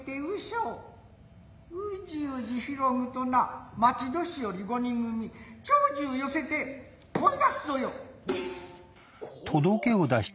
うじうじひろぐとな町年寄五人組町中寄せて追い出すぞよ。